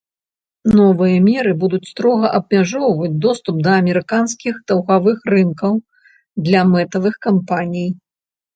Новыя меры будуць строга абмяжоўваць доступ да амерыканскіх даўгавых рынкаў для мэтавых кампаній.